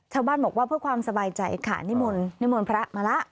ชาวบ้านบอกว่าเพื่อความสบายใจค่ะนิมนต์นิมนต์พระมาแล้ว